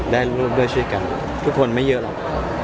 ได้ร่วมด้วยช่วยกันทุกคนไม่เยอะหรอก